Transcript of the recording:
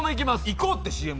行こうってＣＭ。